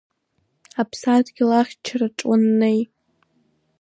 Аԥсадгьыл ахьчараҿ уаннеи…